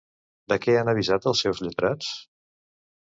De què han avisat els seus lletrats?